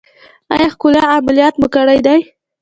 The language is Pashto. ایا ښکلا عملیات مو کړی دی؟